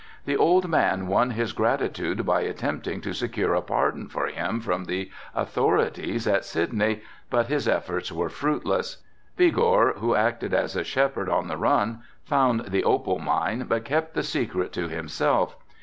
The old man won his gratitude by attempting to secure a pardon for him from the authorities at Sydney, but his efforts were fruitless. Vigor, who acted as a shepherd on the run, found the opal mine but kept the secret to himself.